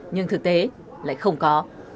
nhưng thực tế lại không có